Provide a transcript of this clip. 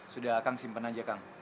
sudahlah kang simpen aja kang